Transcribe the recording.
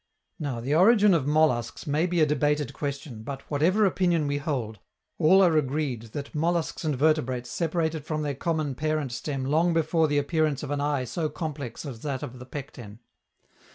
Now, the origin of molluscs may be a debated question, but, whatever opinion we hold, all are agreed that molluscs and vertebrates separated from their common parent stem long before the appearance of an eye so complex as that of the Pecten.